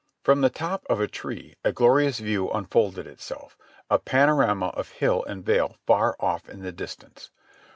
From the top of a tree a glorious view unfolded itself, a pano rama of hill and vale far ofT in the distance.